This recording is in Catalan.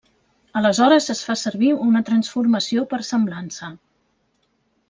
Aleshores es fa servir una transformació per semblança.